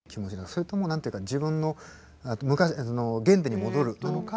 それとも何ていうか自分の原点に戻るなのか。